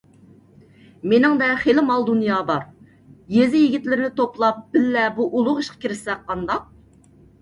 مېنىڭدە خېلى مال - دۇنيا بار، يېزا يىگىتلىرىنى توپلاپ، بىللە بۇ ئۇلۇغ ئىشقا كىرىشسەك قانداق؟